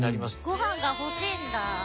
ご飯が欲しいんだ。